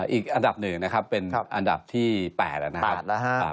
อีกอันดับหนึ่งนะครับเป็นอันดับที่๘นะครับ